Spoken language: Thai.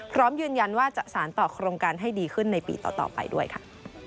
พร้อมยืนยันว่าจะสารต่อโครงการให้ดีขึ้นในปีต่อไปด้วยค่ะ